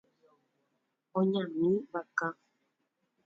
Oñami vaka.